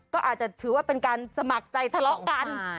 ก็อาจจะถือว่าเป็นการสมัครใจทะเลาะกัน